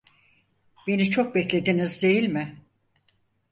Beni çok beklediniz değil mi?